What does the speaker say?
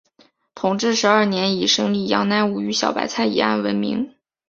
同治十二年以审理杨乃武与小白菜一案闻名。